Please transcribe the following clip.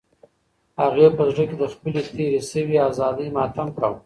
هغې په زړه کې د خپلې تېرې شوې ازادۍ ماتم کاوه.